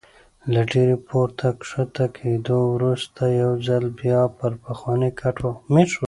له ډېر پورته کښته کېدو وروسته یو ځل بیا پر پخواني کټ وغځېدم.